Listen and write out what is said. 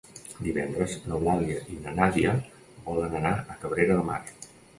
Divendres n'Eulàlia i na Nàdia volen anar a Cabrera de Mar.